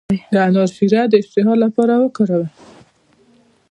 د انار شیره د اشتها لپاره وکاروئ